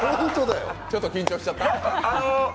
ちょっと緊張しちゃった？